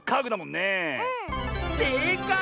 せいかい。